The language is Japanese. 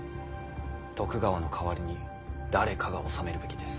徳川の代わりに誰かが治めるべきです。